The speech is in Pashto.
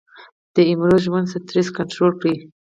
د امروزه ژوند سټرېس کنټرول کړي -